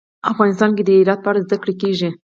افغانستان کې د هرات په اړه زده کړه کېږي.